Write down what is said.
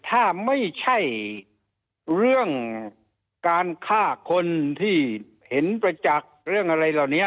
ถ้าไม่ใช่เรื่องการฆ่าคนที่เห็นประจักษ์เรื่องอะไรเหล่านี้